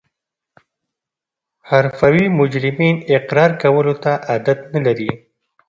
حرفوي مجرمین اقرار کولو ته عادت نلري